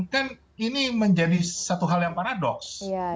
kan ini menjadi satu hal yang paradoks